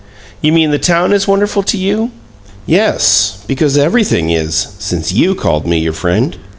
"You mean the town is wonderful to you?" "Yes, because everything is, since you called me your friend.